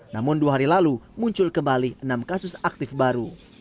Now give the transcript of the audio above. namun dua hari lalu muncul kembali enam kasus aktif baru